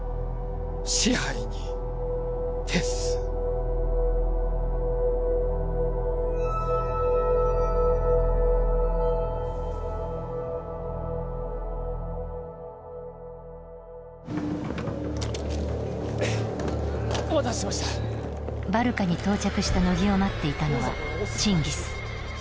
紙背に徹すお待たせしましたバルカに到着した乃木を待っていたのはチンギス